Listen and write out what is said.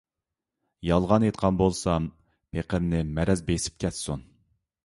يالغان ئېيتقان بولسام، پېقىرنى مەرەز بېسىپ كەتسۇن.